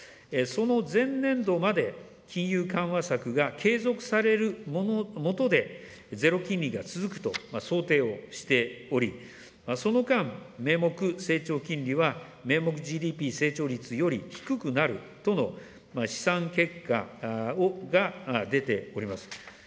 その前年度まで金融緩和策が継続されるもとで、ゼロ金利が続くと想定をしており、その間、名目成長金利は名目ＧＤＰ成長率より低くなるとの試算結果が出ております。